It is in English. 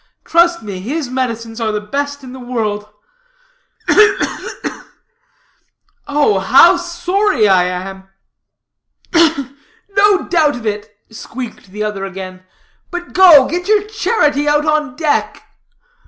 Trust me, his medicines are the best in the world." "Ugh, ugh, ugh!" "Oh, how sorry I am." "No doubt of it," squeaked the other again, "but go, get your charity out on deck.